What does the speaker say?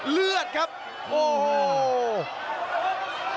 เลือดครับโอ้โห